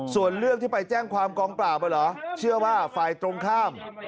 ส่วนเรื่องที่ไปแจ้งความกองปราบเหรอเชื่อว่าฝ่ายตรงข้าม